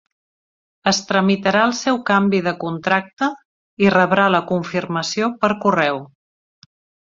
Es tramitarà el seu canvi de contracte i rebrà la confirmació per correu.